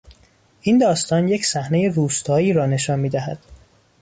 این داستان یک صحنهی روستایی را نشان میدهد.